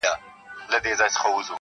نوي کورونه جوړ سوي دلته ډېر,